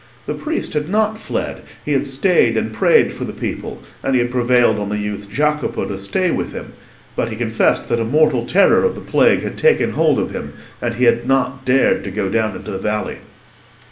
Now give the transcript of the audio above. The priest had not fled; he had stayed and prayed for the people, and he had prevailed on the youth Jacopo to stay with him; but he confessed that a mortal terror of the plague had taken hold of him, and he had not dared to go down into the valley.